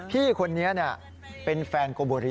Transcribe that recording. พี่คนนี้เป็นแฟนโกโบรี